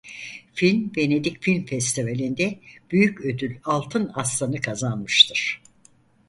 Film Venedik Film Festivali'nde büyük ödül Altın Aslan'ı kazanmıştır.